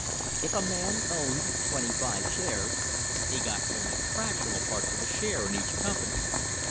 If a man owned twenty five shares he got only fractional parts of a share in each company.